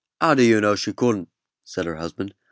"How do you know she couldn't?" said her husband.